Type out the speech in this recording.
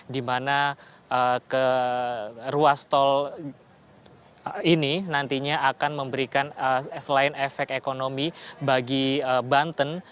di mana ruas tol ini nantinya akan memberikan selain efek ekonomi bagi banten